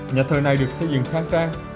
nhà thơ này được xây dựng khang trang